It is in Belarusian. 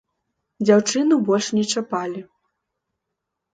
Дзяўчыну больш не чапалі.